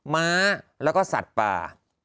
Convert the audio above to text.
ม้าแล้วก็สัตว์ป่า